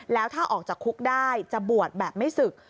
แล้วถ้าออกจากคุกได้จะบวชแบบไม่ศึก